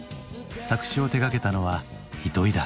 作詞を手がけたのは糸井だ。